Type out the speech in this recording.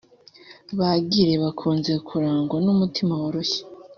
Ba Gilles bakunze kurangwa n’umutima woroshye